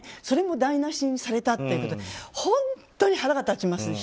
それも台無しにされたということで本当に腹が立ちます。